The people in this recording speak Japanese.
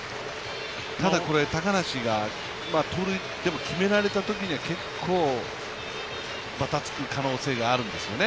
ただこれ、高梨が盗塁を決められたときには、結構ばたつく可能性があるんですよね。